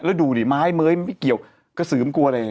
แล้วดูดิไม้เม้ยไม่เกี่ยวกระสือมันกลัวอะไรเลย